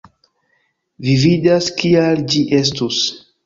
Vi vidas kial ĝi estus